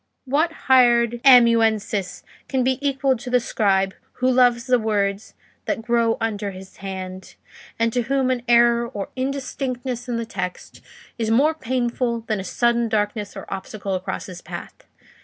"What hired amanuensis can be equal to the scribe who loves the words that grow under his hand, and to whom an error or indistinctness in the text is more painful than a sudden darkness or obstacle across his path?